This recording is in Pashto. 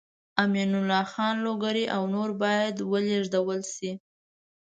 امین الله خان لوګری او نور باید ولېږدول شي.